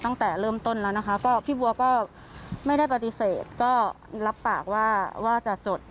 ตั้งแต่เริ่มต้นแล้วนะคะก็พี่บัวก็ไม่ได้ปฏิเสธก็รับปากว่าจะจด